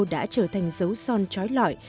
đã trở thành dấu son trói lõi